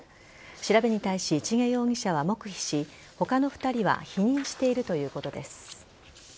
調べに対し、市毛容疑者は黙秘し他の２人は否認しているということです。